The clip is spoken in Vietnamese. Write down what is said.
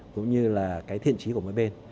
cũng như là cái thiện trí của mỗi bên